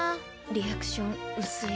リアクション薄い。